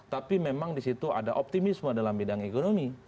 tapi memang disitu ada optimisme dalam bidang ekonomi